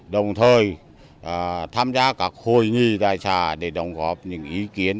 đồng thời tham gia các hội nghị đại trả để đồng góp những ý kiến